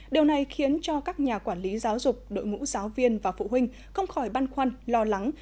điều này khiến cho các nhà quản lý giáo dục đội ngũ giáo viên và phụ huynh không khỏi băn khoăn lo lắng